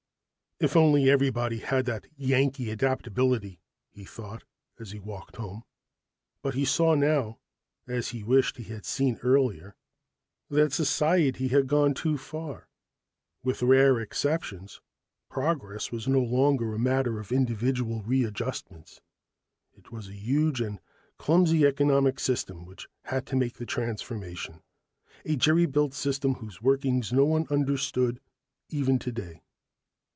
If only everybody had that Yankee adaptability, he thought as he walked home. But he saw now, as he wished he had seen earlier, that society had gone too far. With rare exceptions, progress was no longer a matter of individual re adjustments. It was a huge and clumsy economic system which had to make the transformation... a jerry built system whose workings no one understood, even today.